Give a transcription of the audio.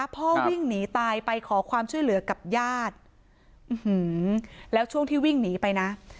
พ่อวิ่งหนีตายไปขอความช่วยเหลือกับญาติแล้วช่วงที่วิ่งหนีไปนะ